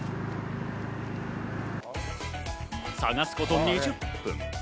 探すこと２０分。